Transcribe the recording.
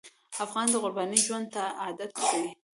افغان د قربانۍ ژوند ته عادت دی.